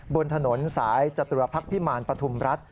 บนถนนสายจตุรพักษ์พิมารปฐุมรัฐ